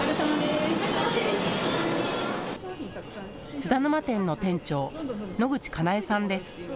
津田沼店の店長、野口香苗さんです。